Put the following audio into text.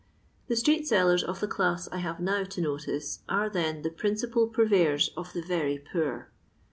The itreet sellers of the class I have now to notice are, then, the principal purveyors of the very poor.